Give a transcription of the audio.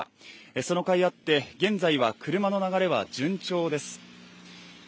そのかいあって、現在は車の流れは順調です。